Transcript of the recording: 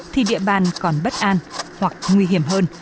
thì địa bàn còn bất an hoặc nguy hiểm hơn